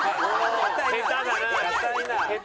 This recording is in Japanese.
下手だな。